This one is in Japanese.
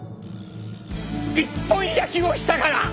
一本焼きをしたから！